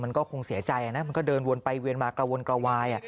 มันก็คงเสียใจนะมันก็เดินวนไปเวียนมากระวนกระวาย